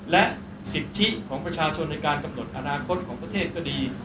และสิทธิของประชาชนในการกำหนดอนาคตของประเทศก็ดี